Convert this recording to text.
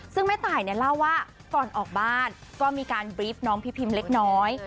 ซึ่งแม่ตายเนี่ยเล่าว่าก่อนออกบ้านก็มีการบรีฟน้องพี่พิมเล็กน้อย